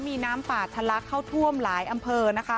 มีน้ำป่าทะลักเข้าท่วมหลายอำเภอนะคะ